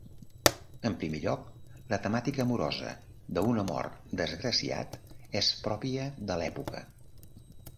En primer lloc, la temàtica amorosa, d'un amor desgraciat, és pròpia de l'època.